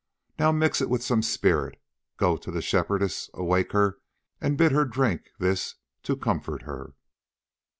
Now mix it with some spirit, go to the Shepherdess, awake her, and bid her drink this to comfort her.